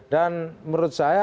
dan menurut saya